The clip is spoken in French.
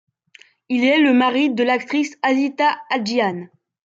Il est le mari de l'actrice Azita Hajian.